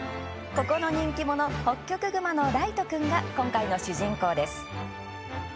ここの人気者ホッキョクグマのライト君が今回の主人公です。